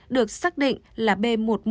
được xác định là b một một năm trăm hai mươi chín